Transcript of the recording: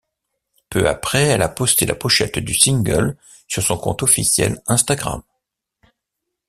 Peu après, elle a posté la pochette du single sur son compte officiel Instagram.